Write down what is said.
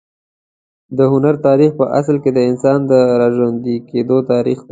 د هنر تاریخ په اصل کې د انسان د راژوندي کېدو تاریخ دی.